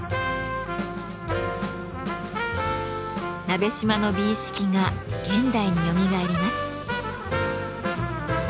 鍋島の美意識が現代によみがえります。